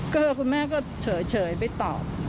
ก็คุณแม่ก็เฉยไปตอบ